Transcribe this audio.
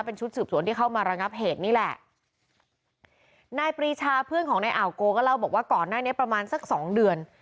เป็นชุดสืบสวนที่เข้ามาระงับเหตุนี่แหละนายปรีชาเพื่อนของนายอ่าวโกก็เล่าบอกว่าก่อนหน้านี้ประมาณสักสองเดือน